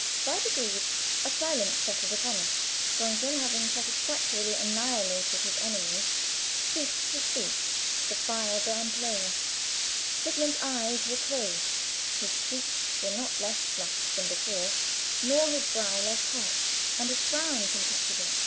By degrees a silence settled upon us. Brunken, having satisfactorily annihilated his enemies, ceased to speak; the fire burned lower; Sigmund's eyes were closed; his cheeks were not less flushed than before, nor his brow less hot, and a frown contracted it.